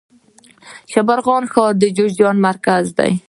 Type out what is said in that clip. د شبرغان ښار د جوزجان مرکز دی